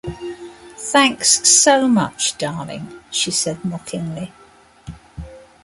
“Thanks so much, darling,” she said mockingly.